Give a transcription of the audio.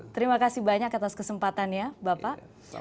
terima kasih banyak atas kesempatannya bapak